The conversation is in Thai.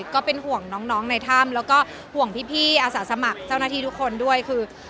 ก็เป็นห่วงน้องในถ้ำแล้วก็ห่วงพี่อาสาสมัครเจ้าหน้าที่ทุกคนด้วยคือ